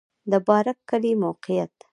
د بارک کلی موقعیت